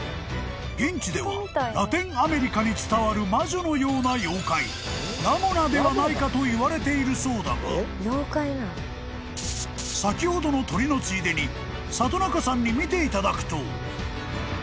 ［現地ではラテンアメリカに伝わる魔女のような妖怪ラモナではないかといわれているそうだが先ほどの鳥のついでに里中さんに見ていただくと］